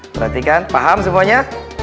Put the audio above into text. perhatikan paham semuanya